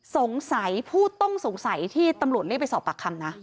สงสัยผู้ต้องสงสัยที่ตำรวจเรียกไปสอบปากคำนะ